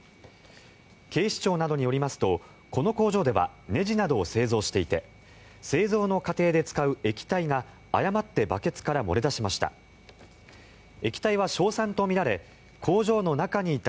警視庁などによりますとこの工場ではねじなどを製造していて製造の過程で使う液体が誤ってバケツから漏れ出しました。